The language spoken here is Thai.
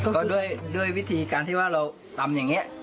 ก็ด้วยวิธีการที่ว่าเราทำอย่างนี้